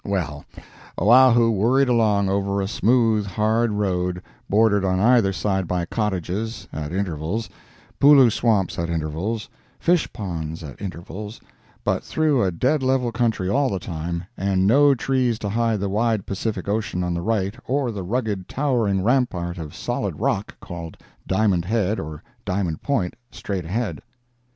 Well, Oahu worried along over a smooth, hard road, bordered on either side by cottages, at intervals, pulu swamps at intervals, fish ponds at intervals, but through a dead level country all the time, and no trees to hide the wide Pacific ocean on the right or the rugged, towering rampart of solid rock, called Diamond Head or Diamond Point, straight ahead.